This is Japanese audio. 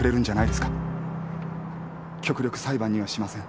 極力裁判にはしません。